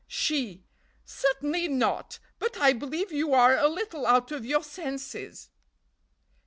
"She. 'Certainly not; but I believe you are a little out of your senses.'